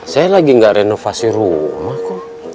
saya lagi nggak renovasi rumah kok